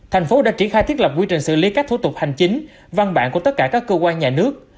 thành phố đã triển khai thiết lập quy trình xử lý các thủ tục hành chính văn bản của tất cả các cơ quan nhà nước